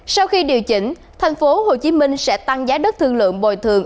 sau khi điều chỉnh thành phố hồ chí minh sẽ tăng giá đất thương lượng bồi thường